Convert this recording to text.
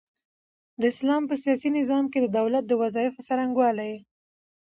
د اسلام په سياسي نظام کي د دولت د وظايفو څرنګوالي